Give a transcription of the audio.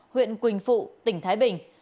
huyện quỳnh phụ tỉnh thái bình